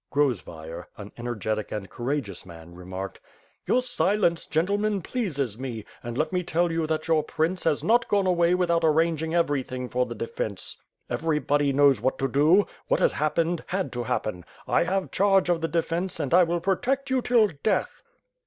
Qrozvayer, an energetic and courageous man, remarked: "Your silence, gentlemen, pleases me, and let me tell you that your prince has not gone away without arranging every thing for the defence. Everybody knows what to do. What has happened, had to happen. I have charge of the defence and T will protect you till death."